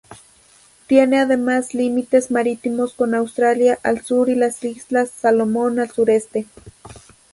Tiene además límites marítimos con Australia al sur y las Islas Salomón al sureste.